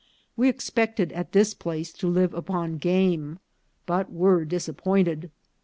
We ex pected at this place to live upon game, but were dis appointed.